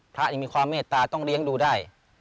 พระเนี่ยมีความเมตตาต้องเลี้ยงดูได้